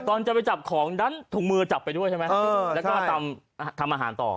ตอนจะไปจับของดันถุงมือจับไปด้วยใช่ไหมแล้วก็ทำอาหารต่อ